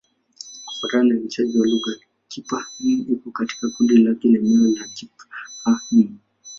Kufuatana na uainishaji wa lugha, Kipa-Hng iko katika kundi lake lenyewe la Kipa-Hng.